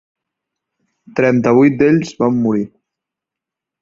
Trenta-vuit d'ells van morir.